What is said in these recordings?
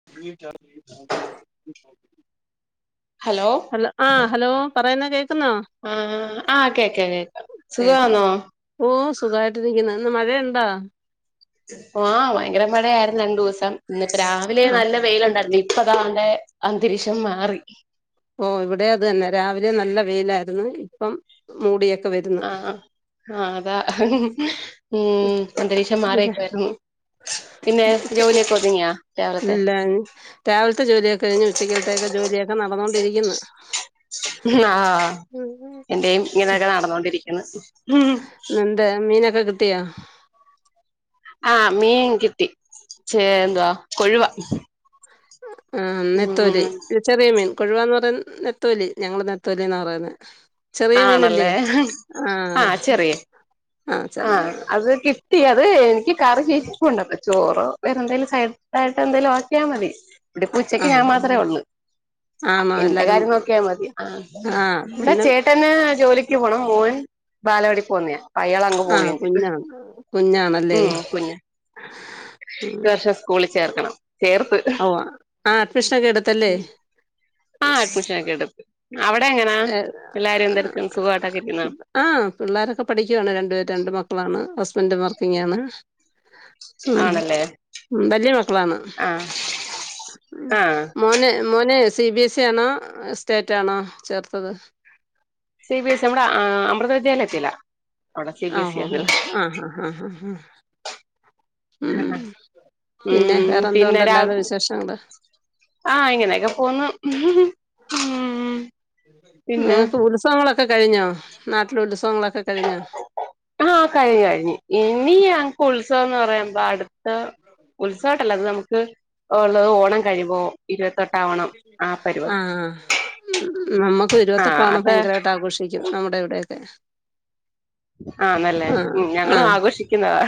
[unintelligible] Hello ആ hello പറയുന്ന കേക്കുന്നോ ആഹ് ആ കേക്കാം കേക്കാം കേക്കുന്നു. സുഖവാന്നോ ഓ സുഖവായിട്ടിരിക്കുന്നു ഇന്ന് മഴ ഒണ്ടോ ആഹ് ഭയങ്കര മഴയായിരുന്നു രണ്ട് ദിവസം ഇന്ന് ഇപ്പോ രാവിലെ ആഹ് നല്ല വെയിലുണ്ടായിരുന്നു ഇ പ്പ താണ്ടെ അന്തരീക്ഷം മാറി ഓ ഇവിടെയും അത് തന്നെ രാവിലെ നല്ല വെയിലായിരുന്നു ഇപ്പം മൂടിയൊക്കെ വരുന്ന് ആഹ് ആഹ് അതാ ഉം അന്തരീക്ഷം ഉച്ചക്ക് മാറിയേക്കുവായിരുന്നു പിന്നെ ജോലിയൊക്കെ ഒതുങ്ങിയാ രാവിലത്തെ ഇല്ല രാവിലത്തെ ജോലിയൊക്കെ കഴിഞ്ഞ് ഉച്ചക്കൽത്തെ ഒക്കെ ജോലിയൊക്കെ നടന്നോണ്ടിരിക്കുന്ന് ആഹ് എന്റെയും ഇങ്ങനൊക്കെ നടന്നോണ്ടിരിക്കുന്നു എന്താ മീനൊക്കെ കിട്ടിയൊ ആഹ് മീൻ കിട്ടി ചേ എന്തുവാ കൊഴുവ ആഹ് നെത്തോല് ഉം ചെറിയ മീൻ കൊഴുവാന്ന് പറ നെത്തോലി ഞങ്ങള് നെത്തോലീന്നാ പറയുന്നെ ചെറിയ മീനില്ലേ ആണല്ലേ ആഹ് ആഹ് അത് കിട്ടി അത് എനിക്ക് കറി ഇരിപ്പുണ്ട് അപ്പോ ചോറോ വേറെ എന്തേലും സൈ ഡായിട്ട് എന്തേലും ആക്കിയാൽ മതി ഇതിപ്പൊ ഉച്ചയ്ക്ക് ഞാൻ ആഹ് മാത്രേ ഉള്ളൂ ആണോ എന്റെ എല്ലാരും കാര്യം നോക്കിയാൽ മതി ആ ആഹ് ഇവിടെ പിന്നെ ചേട്ടന് ജോലി ക്ക് പോണം മോൻ ബാലവാടിയിൽ പോവുന്നെയാ [unintelligible] ആഹ് കോഴിണ്ട് കുഞ്ഞാണ് കുഞ്ഞാണല്ലേ ഉം പിന്നെ ഉം [unintelligible] സ്കൂളി ചേർക്കണം ചേർത്ത് ഓഹ് ആഹ് അഡ്മിഷനൊക്കെ എടുത്തല്ലേ ആ അഡ്മിഷൻ ഒക്കെ എടുത്ത് അവിടെ എങ്ങനാ ഏഹ് എല്ലാരും എന്തെടുക്കും സുഖമായിട്ടൊക്കെ ഇരിക്കുന്നോ ആ പിള്ളേരൊക്കെ പഠിക്കുവാണ് രണ്ടുപേരും രണ്ട് മക്കളാണ് ഹസ്ബൻഡും വർക്കിങ്ങ് ആണ് ഉം ആണല്ലേ വല്ലിയെ മക്കളാണ് ആഹ് ആഹ് മോന് മോന് സി ബി എസ് ഇ ആണോ സ്റ്റേറ്റ് ആണോ ചേർത്തത് സി ബി എസ് സി നമ്മുടെ അമൃത വിദ്യാലയത്തിലാ അവിടെ സി ഹ ബി എസ് ഇ ഹോ ഹ ആണല്ലോ ആഹ് ആഹ് ആഹ് ആഹ് ഉം പിന്നെ ഉം പിന്നെ വേറെന്തുണ്ട് രാ അല്ലാതെ വിശേഷങ്ങള് ആഹ് ഇങ്ങനെയൊക്കെ പോന്നു നിങ്ങക്ക് ഉത്സവങ്ങളൊക്കെ കഴിഞ്ഞോ നാട്ടിലെ ഉത്സവങ്ങളൊക്കെ കഴിഞ്ഞോ ആഹ് കഴിഞ്ഞ് കഴിഞ്ഞ് ഇനി ഞങ്ങക്ക് ഉത്സവംന്ന് പറയുമ്പോ അടുത്ത [unintelligible] നമുക്ക് ഉള്ളത് ഓണം കഴിയുമ്പോ ഇരുപത്തെട്ടാം ഓണം ആ പരിപാടി ആഹ് ഉ നമ്മുക്ക് ആഹ് [unintelligible] അത് ഭയങ്കരായിട്ട് ആഘോഷിക്കും നമ്മുടെ ഇവിടെ ഒക്കെ ആണല്ലേ ഉം ഞങ്ങളും ആഘോഷിക്കുന്നതാ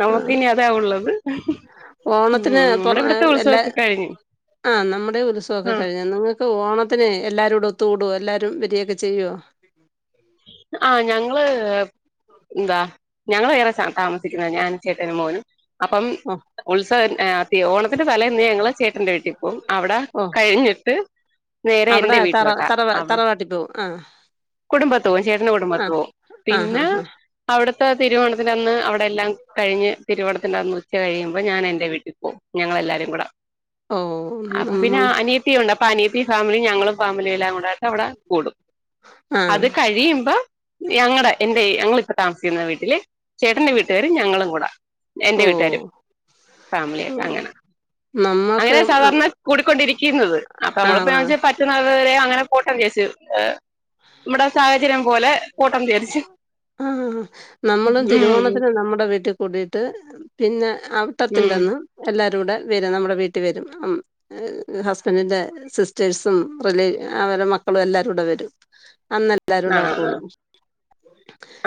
നമുക്ക് ആഹ് ഇനി അതാ ഉള്ളത്. ഉം ഓണത്തിന് നമ്മടെ ഇവിടത്തെ ഉത്സവൊക്കെ കഴിഞ് ആ നമ്മുടെ ഉത്സവൊക്കെ കഴിഞ്ഞു നിങ്ങ ക്ക് ഓണത്തിന് എല്ലാവരും കൂടെ ഒത്തു കൂടോ എല്ലാവരും വരിയൊക്കെ ചെയ്യുവൊ ആഹ് ഞങ്ങള് ന്താ ഞങ്ങള് വേറെ താമസിക്കുന്നെ ഞാനും ചേട്ടനും മോനും അപ്പം ഓഹ് ഉത്സവ ഏ ഓണത്തിന്റെ തലേന്ന് ഞങ്ങള് ചേട്ടന്റെ വീട്ടിൽ പോവും അവിടെ ഓഹ് കഴിഞ്ഞിട്ട് നേരെ എന്റെ അവിടെ തറ വീട്ടിലോട്ടാ തറവാ അവ തറവാട്ടിൽ പോവും ആഹ് കുടുംബത്ത് പോവും ചേട്ടന്റെ കുടുംബത്ത് ആഹ് പോവും ആഹ് പിന്നെ ആഹ് ആഹ് അവിടുത്തെ തിരുവോണത്തിൻ്റെ അന്ന് അവിടെ എല്ലാം കഴിഞ്ഞ് തിരുവോണത്തിന്റെ അന്ന് ഉച്ച കഴിയുമ്പോ ഞാൻ എന്റെ വീട്ടിൽ പോവും ഞങ്ങളെല്ലാരും കൂടെ ഓഹ് അപ്പൊ പിന്നെ നമ്മൾ അനിയ ത്തിയൊണ്ട് അപ്പ അനിയത്തി ഫാമിലി ഞങ്ങളും ഫാമിലി എല്ലാം കൂടെ അവടെ കൂടും ആഹ് അത് കഴിയുമ്പോ ഞങ്ങടെ എന്റെ ഞങ്ങളിപ്പ താമസിക്കുന്ന വീട്ടില് ചേട്ടന്റെ വീട്ടുകാരും ഞങ്ങളും കൂടെ എന്റെ വീട്ടാരും ഓഹ് ഫാമിലിയായിട്ട് അങ്ങനെ നമ്മക്ക് അങ്ങനെ സാധാരണ കൂടിക്കൊണ്ടിരിക്കുന്നത് അപ്പൊ നമ്മളിപ്പോ ആഹ് പറ്റുന്നത് വരെ അങ്ങനെ പോട്ടേന്ന് വിചാരിച്ച് നമ്മടെ സാഹചര്യം പോലെ കൂട്ടം ചേരിച്ച് ആഹ് ഹാ ഹ നമ്മളും ഉം തിരുവോണത്തിന് നമ്മടെ വീട്ടി കൂടീട്ട് പിന്നെ ഉം അവിട്ടത്തിന്റെ അന്ന് എല്ലാരൂടെ വരും നമ്മടെ വീട്ടിവരും ഹസ്ബന്റിന്റെ സിസ്റ്റേഴും റിലേ അവര്ടെ മക്കളും എല്ലാരൂടെ വരും അന്ന ആ എല്ലാരൂടെവിടെ കൂടും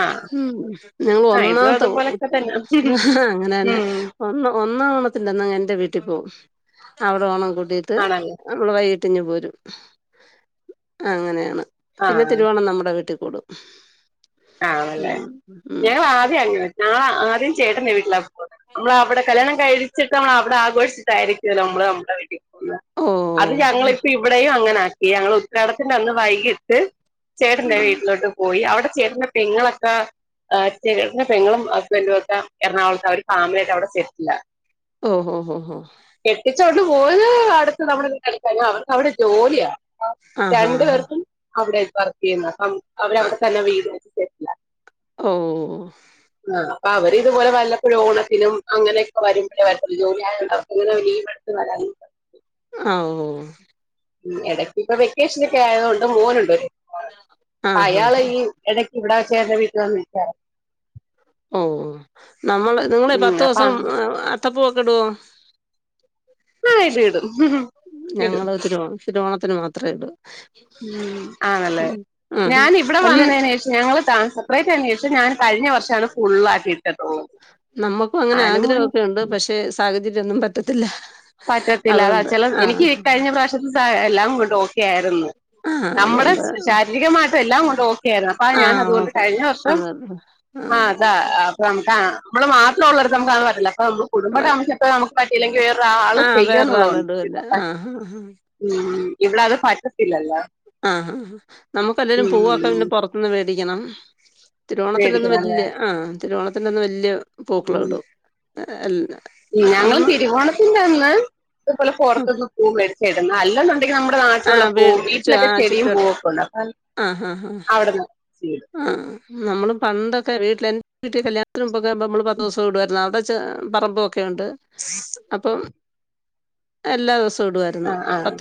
ആ ഉം ഞങ്ങള ആ ഇതും ഒന്നാമത്തെ അതുപോലൊക്കെ തന്നെ അങ്ങനെതന്നെ ഉം ഒന്ന ഒന്നാം ഓണത്തിന്റന്ന് എന്റെ വീട്ടി പോവും അവടെ ഓണം കൂടീട്ട് ആണല്ലേ നമ്മൾ വൈകിട്ടിങ്ങ്ഞ് പോരും അങ്ങനെണ് ആ പിന്നെ തിരുവോണം നമ്മുടെ വീട്ടി കൂടും ആണല്ലേ ഉം ഉം ഞങ്ങളാദ്യം അങ്ങനെ ഞങ്ങള് ആദ്യം ചേട്ടന്റെ വീട്ടിലാ പോവാ നമ്മള് അവടെ കല്യാണം കഴിച്ചിട്ട് നമ്മൾ അവടെ ആഘോഷിച്ചിട്ടായിരിക്കോല്ലൊ നമ്മള് നമ്മടെ വീട്ടി അത് ഞങ്ങളിപ്പ ഇവിടെയും അങ്ങനാക്കി ഞങ്ങള് ഉത്രാടത്തിന്റെ അന്ന് വൈകീട്ട് ചേട്ടന്റെ ഓ വീട്ടിലോട്ട് പോയി അവടെ ചേട്ടന്റെ പെങ്ങളൊക്ക ആഹ് ചേട്ടന്റെ പെങ്ങളും ഹസ്ബെന്റുക്കെ എറണാകുളത്ത അവര് ഫാമിലിയായിട്ട് അവിടെ സെറ്റില ഓഹ് ഹോ ഹോ ഹോ കെട്ടിച്ചോണ്ട് പോയത് അടുത്ത് നമ്മളവീടിനട്ത്ത അവർക്ക് അവടെ ജോലിയാ ആഹാ! രണ്ട് ആഹാ! പേർക്കും അവിടെ വർക്കെയ്യുന്ന അവരവിടെ തന്നെ വീട് സെറ്റില്ല ഓഹ് ആഹ് അപ്പ അവര് ഇതുപോലെ വല്ലപ്പഴും ഓണത്തിനും അങ്ങനെയൊക്കെ വരുമ്പഴേ വരതൊള്ള് ജോലി ആയോണ്ട് അവർക്കങ്ങനെ വലിയ ലീവ് ഇട്ത് വരാനും ആഹ് ഓഹ് എടക്ക് ഇപ്പൊ വെക്കേഷനൊക്കെ ആയതോണ്ട് മോനുണ്ട് അയാളെ ആഹാഹാ! ഈ എടയ്ക്കിവിടെ ചേട്ടന്റെ വീട്ടിവന്ന് നിക്കാറൊണ്ട് ഓഹ് നമ്മൾ നിങ്ങളെ ഉം അപ്പൊ ആ പത്തൂസം അത്തപ്പൂവൊക്കെ ഇടുവോ ആഹ് ഇടുടും ഞങ്ങള് തിരുവോണം തിരുവോണത്തിന് മാത്രെ ഇടൂ ഉം ആണല്ലേ ഉം. ഞാൻ ഇവിടെ അല്ല വന്നേനേഷം ഞങ്ങള് സപ്റേറ്റായേനേഷം ഞാൻ കഴിഞ്ഞ വർഷാണ് ഫുള്ളായ്ട്ട് ഇ നമ്മക്കും അങ്ങനെ ആഗ്രഹവൊക്കെയൊണ്ട് പക്ഷെ സാഹചര്യവൊന്നും പറ്റത്തില്ല പറ്റത്തില്ല അതാ അതുകൊണ്ട്. ചെല ആഹ്. എനിക്ക് കഴിഞ്ഞ പ്രാശത്തെസാ എല്ലാം കൊണ്ട് ഓക്കെ ആരുന്നു ആഹ്. നമ്മടെ അതുകൊണ്ട് ശാരീരികമാട്ടും എല്ലാം കൊണ്ട് ഓ ക്കേര്ന്നു അപ്പ ഞാൻ ആഹ്. അതുകൊണ്ട് ഓക്കെ. കഴിഞ്ഞ വർഷം അതെ. ആഹ് അതാ നമക്ക നമ്മള് മാത്രവൊള്ളടത്ത് നമക്കത് പറ്റില്ല അപ്പ നമ്മ കുടുംബായിട്ട് താമസിച്ചട്ട് നമുക്ക് പറ്റീല്ലെങ്കിൽ ആള് ആ വേറൊരാള് ചെയ്യന്നുള്ളതൊണ്ട് ഇടുവല്ലേ. ആഹ്. ആഹ്. ഉം ഇവിടത് പറ്റത്തില്ലല്ലോ ആഹ് നമുക്കല്ലേലും പൂവൊക്കെ ഉം പിന്നെ പൊറത്തുന്ന് മേടിക്കണം തിരുവോണത്തിന്റന്ന് പേടിക്കണല്ലേ വല്യ ആ തിരുവോണത്തിന്റെന്ന് വല്യ പൂക്കള്ടും എല്ല ഞങ്ങളും തിരുവോണത്തിന്റന്ന് ഇതുപോലെ പൊറത്തിന്ന് പൂ മേടിച്ചായിടുന്ന അല്ലെന്നുണ്ടെങ്കി നമ്മള നമ്മുടെ നാട്ടിലൊള്ള ആഹ് വീ പൂവും വീട്ടിലൊക്കെ ആഹ് ചെടിയും ചുറ്റുവട്ട പൂവൊക്കൊണ്ട് അപ്പ ആഹ് ആഹ് ആഹ് അവിട്ന്ന് ആഹ് നമ്മള് പണ്ടൊക്കെ വീട്ടിൽ എന്റെ വീട്ടിൽ കല്യാത്തിന് മുമ്പൊക്കെ നമ്മൾ പത്ത് ദിവസൊം ഇടുവാരുന്നു അവടെ ചെ പറമ്പുവൊക്കെയൊണ്ട് അപ്പം എല്ലാ ദിവസൊ ആഹ് ആഹ്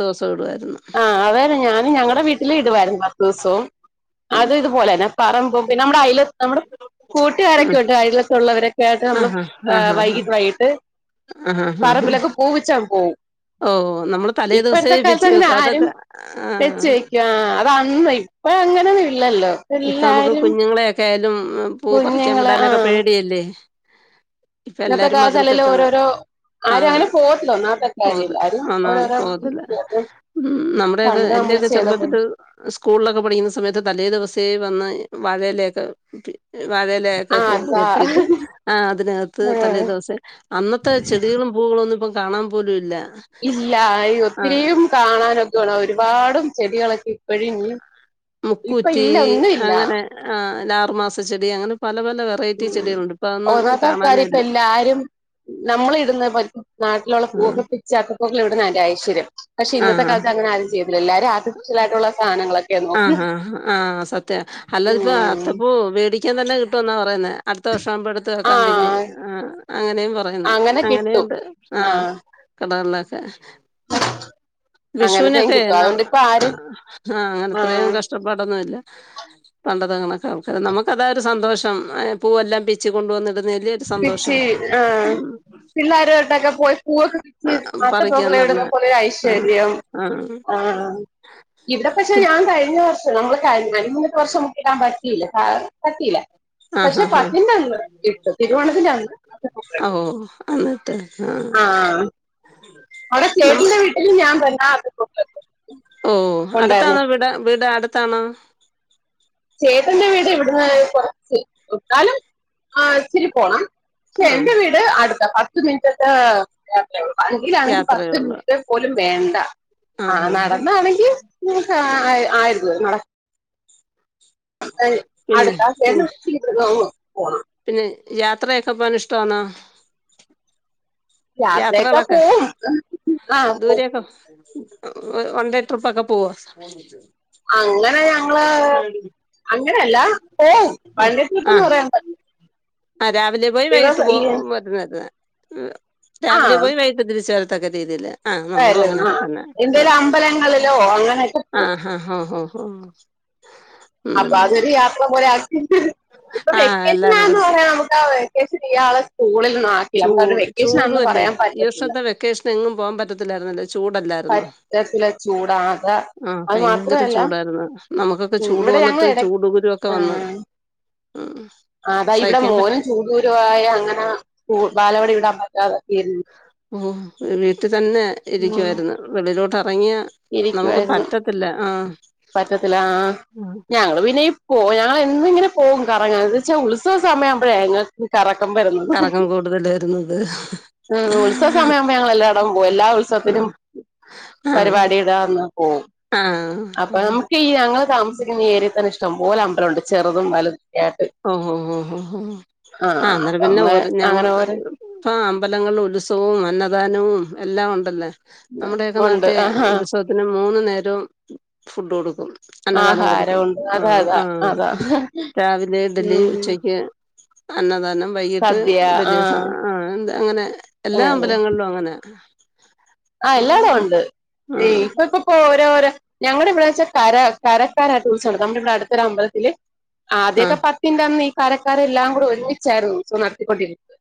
ആഹ് അതേന്നെ ഞാനും ഞങ്ങടെ വീട്ട് ട്ടില് ഇടുവാരുന്നു പത്തൂസോം അത് ഇതുപോലെന്നെ പറമ്പും പിന്നമ്മടെ അയ്ല നമ്മുടെ ആഹ് കൂട്ടുകാരൊക്കൊണ്ട് അയ്ലതുള്ളവരൊക്കായിട്ട് നമ്മള് ആഹ് ആഹ് ആഹ് വൈകീട്ട് വൈകീട്ട് ആഹ് ആഹ് ആഹ് ആഹ് പറമ്പിലൊക്കെ പൂവിച്ചാൻ പോവും ഓഹ് നമ്മള് തലേ ദിവസേ ഇപ്പോഴത്തെ പിച്ച് വെക്കും അതൊക്കെ ആഹ് ആഹ് അതെന്ന് ഇപ്പ അങ്ങനെയന്നല്ലല്ലോ ഇപ്പ നമുക്ക് കുഞ്ഞുങ്ങളെൊക്കെ ആയാലും പൂ പറിക്കാൻ കുഞ്ഞുങ്ങള് ആ വിടാനൊക്കെ പേടിയല്ലേ ഇപ്പ ഇന്നത്തെ എല്ലാരും കാലത്ത് മതിൽ കെട്ട അല്ലേലും ഓരോരോ ആരും ആഹ് അങ്ങനെ പോവത്തില്ല ഒന്നാമത്തെ കാര്യം പോത് എല്ലാരും ആ ഓരോരോ പോതലെ ഉം നമ്മുടെ ഒക്കെ പണ്ട് നമ്മള് എന്റെയൊക്കെ ചെയ്ത പോലെ ചെറുപ്പത്തില് സ്കൂളിലൊക്കെ പഠിക്കുന്ന സമയത്ത് തലേ ദിവസേ വന്ന് വാഴയിലൊക്കെ വാഴയിലെ ആ കൊമ്പ് അതാ കെട്ടിട്ട് ആ അതിനകത്ത് ആഹ് തലേദിവസേ അന്നത്തെ ചെടികളും പൂകളും ഒന്നും ഇപ്പം കാണാൻ പോലും ഇല്ല ഇല്ല ആ ഒത്തിരിയും കാണാനൊക്കെ വേണം ഒരുപാടും ചെടികളൊക്കെ ഇപ്പോഴും ഇനി ഇപ്പൊ ഇല്ല ഒന്നും ഇല്ല ആഹ് ആറുമാസ ചെടി അങ്ങനെ പല പല വ ഉം ഓതാത്ത ആൾകാര് ഇപ്പ എല്ലാരും നമ്മൾ ഇടന്ന് നാട്ടിലുള്ള ആ പൂക്കെ പിച്ചാക്കപ്പക്കൾ ഇവിടുന്നതിന്റെ ഐശ്വര്യം പക്ഷെ ആ ആ ഇന്നത്തൊകാലത്ത് അങ്ങനെ ആരും ചെയ്തില്ല എല്ലാരും ആർട്ടിഫിഷ്യൽ ആയിട്ടുള്ള സാധനങ്ങളക്ക ആഹ് ആഹ് ആഹ് സത്യം അല്ലാതി ഇപ്പ ഉം അത്തപ്പോ വേടിക്കാൻ തന്നെ കിട്ടുവ എന്നാ പറയുന്നെ അടുത്ത വർഷം ആവുമ്പോ എടുത്ത വെക്കാൻ പിന്നെ ആഹ് ആ അങ്ങനെയും പറയുന്നു അങ്ങനെ കിട്ടും അങ്ങനെയുണ്ട് ആഹ് [unintelligible] അങ്ങനത്തെയും വിഷുവിനൊക്കെ കിട്ടും അതുകൊണ്ട് ഇപ്പ ആരും ആഹ് അങ്ങ ആഹ് ഇഷ്ട്ടപെടിനില്ല പണ്ടത്തെകണക്ക് ആൾക്കാർ നമുക്ക് അതാ ഒരു സന്തോഷം പൂവല്ലാം പിച്ചി കൊണ്ടുവന്ന് ച്ചി ആ പിള്ളരോട്ടൊക്കെ പോയി പൂവക്കെ ആഹ് ആത്തപ്പൂക്കൾ പറിക്കാന്ന് ഇടുന്ന പറഞ്ഞാ പോലെ ആഹ് ഐശ്വര്യം ആഹ് ആഹ് ഇവിടെ പക്ഷെ ഞാൻ കഴിഞ്ഞ വർഷം നമ്മൾ വർഷം മുക്കിടാൻ പറ്റിയില്ല പറ്റില്ല ആഹ് പക്ഷെ ആഹ് പത്തിൻ്റെ അന്ന് തിരുവോണത്തിൻ്റെ അന്നു ആഹ് ഓഹ് എന്നിട്ട് ആഹ് അവിടെ നമ്മ ചേട്ടന്റെ വീട്ടിൽ ഞാൻ വന്നാ ആഹ് ഓ അടുത്താണോ വീട് വീട് അടുത്താണോ ചേട്ടന്റെ വീട് ഇവിടുന്ന് കൊറച്ച് ഇട്ടാലും ആ ഇത്തിരി പോണം പക്ഷെ ആഹ് എന്റെ വീട് അടുത്ത പത്ത് മിനിറ്റത്തെ അതിലാണെങ്കിൽ പത്ത് യാത്രയുള്ള മിനിട്ട് പോലും വേണ്ട ആഹ് നടന്നാണെങ്കിൽ ആഹ് ആയിരുന്നു നട പിന്നെ അടുത്താ പിന്നെ ആസയീ പോണം പിന്നെ യാത്രയൊക്കെ പോകൻ ഇഷ്ടമാന്നോ യാത്രയൊക്കെ യാത്രകളൊക്കെ പോവും ആ പോവും. ദൂരൊക്കെ വൺ ഡേ ട്രിപ്പ് ഓകെ പോകുവോ അങ്ങനെ ഞങ്ങള് അങ്ങനെയല്ല പോവും ഓൺ വൻ ഡേ ട്രിപ്പ് എന്ന് പറയാൻ ആ രാവിലെ പോയി വൈകിട്ട് ദിവസം പോ ഈ- വരുന്നുന്ന ആ രാവിലെ പോയി വൈകിട്ട് തിരിച്ച് വരും തക രീതിയില്ല ആഹ് നമ്മളും വരും ആ അങ്ങനെയൊക്കെ തന്നെ എന്തേലും അമ്പലങ്ങളിലോ അങ്ങനെയൊക്കെ പോകും ആഹ് ആഹ് ഹ ഹ അപ്പ അവരെ പോലെ യാത്ര ആകീട്ട് ഇപ്പൊ ആഹ് വെക്കേഷൻ എല്ലാരോടും ആണെന്ന് പറയാ നമുക്ക് ആ വെക്കേഷൻ ഈ ആള സ്കൂളിൽന്നും ആക്കി നമു ചൂട് ഇംഗ്ലീഷ് ആണെന്ന് ചൂടുവല്ലേ പറയാൻ ഈ പറ്റത്തില്ല വർഷത്തെ വെക്കേഷൻ എങ്ങും പോവാൻ പറ്റത്തില്ലായിരുന്നല്ലോ ചൂടല്ല പറ്റത്തില ചൂടാകെ ആഹ് ഭയങ്കര ചൂടായിരുന്നു നമുക്കൊക്കെ ഉം, ചൂട് ഇവിടെ ഞങ്ങൾ വന്നിട്ട് ഇട ചൂട് കുരു ഒക്കെ വന്ന് ആഹ് ആഹ് ആ അതാ ഇവിടെ മോനും ചൂട് കുരു ആയി അങ്ങനെ ബാലവടി വിടാൻ പറ്റാതെ തീ ഓ വീട്ടിൽ തന്നെ ഉം, ഇരിക്കുവായിരുന്നു വെളിയിലോട്ട് ഇറങ്ങിയ നമുക്ക് ഇരിക്കുവായിരുന്നു പറ്റത്തില്ല ആഹ് പറ്റത്തില്ല ആ ഞങ്ങള് പിന്നെയും പോ ഞങ്ങൾ എന്നും ഇങ്ങനെ പോകും കറങ്ങാ എന്ന് വെച്ചാൽ ഉത്സവമയാവുമ്പോഴെ ഈ കറക്കം വരുന്നത് കറക്കം കൂടുതൽ വരുന്നത് ഉ ഉത്സവ സമയ ആകുമ്പോ ഞങ്ങ എല്ലായിടം പോകും എല്ലാ ഉത്സവത്തിനും ആഹ് അന്ന് പോവും ആഹ് അപ്പൊ നമുക്ക് ഈ ഞങ്ങള് താമസിക്കുന്ന ഏരിയയിൽ തന്നെ ഇഷ്ടം പോലെ അമ്പലം ഉണ്ട് ചെറുതും വലതും ഓഹ് ഓഹ് ഓഹ് ഓഹ് ഓഹ് ആഹ് ആ അന്നേരം അപ്പൊ പിന്നെ നമ്മള് ഓരും അങ്ങനെ ഞങ്ങ- ഓരോ ആ അമ്പലങ്ങളിൽ ഉത്സവും അന്നദാനവും എല്ലാം ഉണ്ടല്ലേ നമ്മുടെയൊക്കെ ഉണ്ട് നാട്ടെ ആഹാ ഉത്സവത്തിന് മൂന്നു നേരവും ഫുഡ് കൊടുക്കും അന്നദാനം കൊടുക്കും ആഹാരമുണ്ട് അതാ ആഹ് അതാ ആഹ് അതാ രാവിലെ ഇഡലി ഉം ഉച്ചയ്ക്ക് അന്നദാനം വൈകിട്ട് സദ്യ വല്യസ ആഹ് ആ എന്ത അങ്ങനെ എല്ലാ അങ്ങനെ അമ്പലങ്ങളിലും അങ്ങനെ ആ എല്ലാടും ഉണ്ട് ഈ ആഹ് ഇപ്പപ്പോ ഓരോരോ ഞങ്ങടെ ഇവിടെച്ചാൽ കര കരക്കാരായ ടൂഷൺ എടുക്ക നമ്മുടെ ഇവിടെ അടുത്തൊരു അമ്പലത്തില് ആദ്യൊക്കെ ആഹ് പത്തിന്റെ അന്ന് ഈ കാരക്കാരെ എല്ലാം കൂടെ ഒമിച്ചായിരുന്നു ഉത്സവം നടത്തിക്കൊണ്ടിരുന്നത്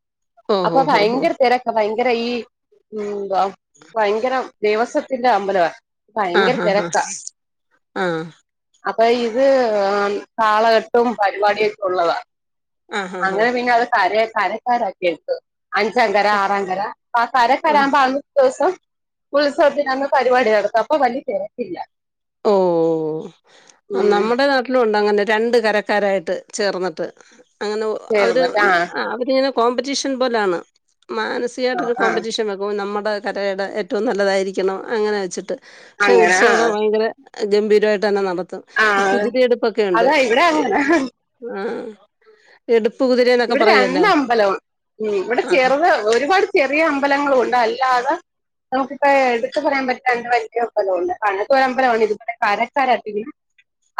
ഓഹ് അപ്പൊ ഓഹ് ഓഹ് ഓഹ് ഭയങ്കര തിരക്കാ ഭയങ്കര ഈ എന്താ ഭയങ്കരം ദേവസത്തിന്റെ അമ്പലവാ ഭയങ്കര ആഹ് ആഹ് തിരക്കാ ആഹ് അപ്പൊ ഇതും കാളകെട്ടും പരിപാടിയൊക്കെ ഉള്ളതാ ആഹ് ആഹ് ആഹ് അങ്ങനെ പിന്നെ അത് കര കരക്കാരക്കി എടുത്തു അഞ്ചാം കര ആറാം കര അപ്പ കാരെ ആഹ് കാരാകുമ്പോ അന്നത്തെ ദിവസം ഉത്സവത്തിന അന്ന് പരിപാടി നടത്തും അപ്പൊ വല്യ തിരക്കില്ല ഓഹ് ഉം നമ്മുടെ നാട്ട- അങ്ങനെ രണ്ട് കരക്കാരായിട്ട് ചേർന്നിട്ട് അങ്ങനെ അവര് ആ അവര് ഇങ്ങനെ കോമ്പറ്റീഷൻ പോലാണ് ആ മാനസികമായിട്ടൊരു ആ കോമ്പറ്റീഷൻ വെക്കുമ്പ നമ്മുടെ കരയുടെ ഏറ്റവും നല്ലതായിരിക്കണം അങ്ങനെ വെച്ചിട്ട് പക്ഷേ അങ്ങനെ ആ ഉത്സവൊക്കെ ഭയങ്കര ഗംഭീരമായിട്ട് തന്നെ നടത്തും ആ ഈ കുതിരയെടുപ്പൊക്കെ ഉണ്ട് അതാ ഇവിടെ അങ്ങനെ ആഹ് എടുപ്പ് കുതിര ഇവിടെ രണ്ട് അമ്പലവും ഉം ഇവിടെ ആഹ് ചെറുത് ഒരുപാട് ചെറിയ അമ്പലങ്ങളും ഉണ്ട് അല്ലാതെ നമുക്കിപ്പ എടുത്ത് പറയാൻ പറ്റുണ്ട രണ്ട് വലിയ അമ്പലം ണ്ട് കനത്തരമ്പല ഇപോലെ കരക്കാര പിന്നെ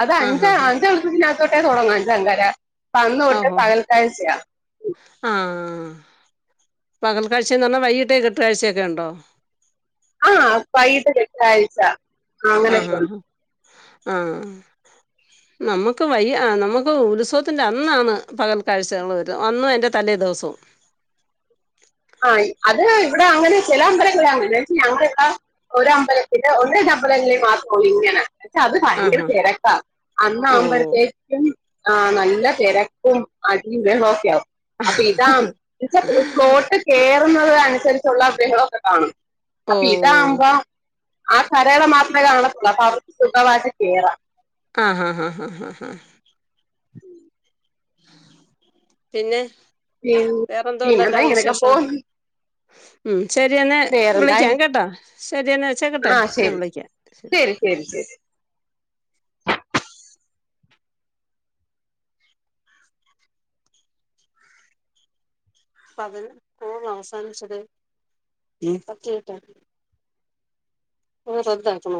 അത് അഞ്ച ആഹ് ആഹ് അഞ്ച അതിനകത്തോട്ടെ തുടങ്ങും അഞ്ചാങ്കര അപ്പ അന്ന് തൊട്ടേ ഓഹോ പകൽ കാഴ്ചയാ ആഹ് പകൽക്കാഴ്ച്ചെന്ന് പറഞ്ഞാൽ വൈകിട്ടേ കെട്ടുകാഴ്ചയൊക്കെ ഉണ്ടോ ആ വൈകിട്ട് കെട്ട് കാഴ്ച ആഹ് ആഹ് ആഹ് നമുക്ക് വയ്യ നമുക്ക് ഉത്സവത്തിൻ്റെ അന്നാണ് പകൽക്കാഴ്ചകൾ വരുന്നത് അന്നും അതിൻ്റെ തലേ ദിവസവും ആ അത് ഇവിടെ അങ്ങനെ ചില അമ്പലങ്ങളങ്ങനെ ഞങ്ങളെ ഇവിട ഒരു അമ്പലത്തിന്റെ ഒരു അമ്പലങ്ങളിൽ മാത്രോ ഇങ്ങനെ പക്ഷെ അത് ഭയങ്കര ആഹാ തിരക്കാ ഓ അന്നാകുമ്പോഴത്തേക്ക് വും ആ നല്ല തിരക്കും അടീം ബഹളോം ഒക്കെ ആവും അപ്പൊ ഇതാ എന്നച്ച ഫ്‌ളോട്ട് കേറുന്നത് അനുസരിച്ചുള്ള ബഹളൊക്കെ കാണും ഓ അപ്പം ഇതാവുമ്പോ ആ കരയുടെ മാത്രമേ കാണത്തുള്ളൂ അപ്പൊ അവർക്ക് സുഖമായിട്ട് കേറാം ആഹ് ആഹ് ആഹ് ആഹ് ആഹ് ആഹ് പിന്നെ വേറെന്തോ പിന്നെന്താ ഉണ്ടല്ലാതെ ഇങ്ങനെയൊക്കെ വിശേഷം പോകും ഉം ശരിയെന്ന വേറെന്തായി വിളിക്കാം കേട്ടോ ശരി എന്നാ വെച്ചേക്കട്ടെ ആ എന്നാ ശരി വിളിക്കാം ശരി ശരി ശരി അപ്പതിനന് ഓ അവസാനിച്ചത് പ [unintelligible] അത് റദ്ദാക്കണം